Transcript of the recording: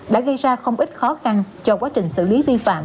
đã gây ra không ít khó khăn cho quá trình xử lý vi phạm